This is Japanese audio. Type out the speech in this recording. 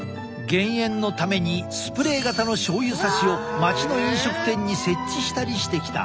減塩のためにスプレー型の醤油さしを町の飲食店に設置したりしてきた。